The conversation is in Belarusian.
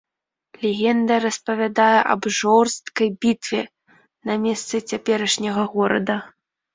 Легенда распавядае аб жорсткай бітве на месцы цяперашняга горада.